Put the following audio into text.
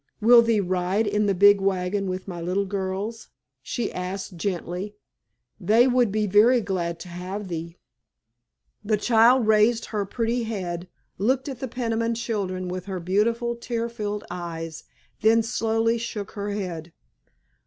"Will thee ride in the big wagon with my little girls?" she asked gently; "they would be very glad to have thee." The child raised her pretty head, looked at the Peniman children with her beautiful, tear filled eyes, then slowly shook her head.